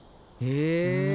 へえ。